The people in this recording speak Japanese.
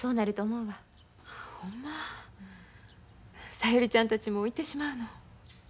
小百合ちゃんたちも行ってしまうの。